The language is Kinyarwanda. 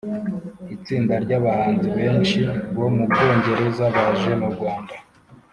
Itsinda ry’abahanzi benshi bo mu bwongereza baje mu Rwanda.